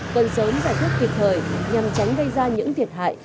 cần sớm giải quyết kịp thời nhằm tránh gây ra những thiệt hại